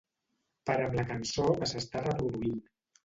Para'm la cançó que s'està reproduint.